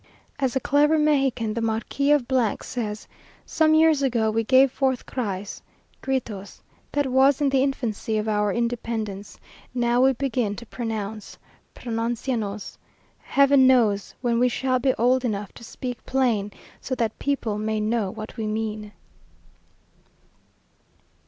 As a clever Mexican, the Marquis of , says "Some years ago we gave forth cries (gritos) that was in the infancy of our independence now we begin to pronounce (pronuncianos). Heaven knows when we shall be old enough to speak plain, so that people may know what we mean!"